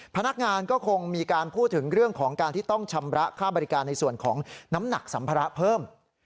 พนักงานก็คงมีการพูดถึงเรื่องของการที่ต้องชำระค่าบริการในส่วนของน้ำหนักสัมภาระเพิ่ม